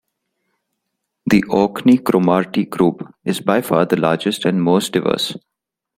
The Orkney-Cromarty group is by far the largest and most diverse.